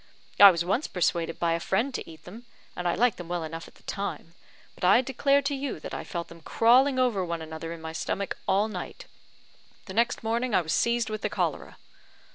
I was once persuaded by a friend to eat them, and I liked them well enough at the time. But I declare to you that I felt them crawling over one another in my stomach all night. The next morning I was seized with the cholera."